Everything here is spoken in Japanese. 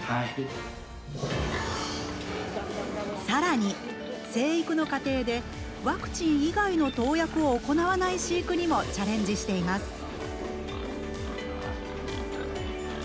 更に成育の過程でワクチン以外の投薬を行わない飼育にもチャレンジしています。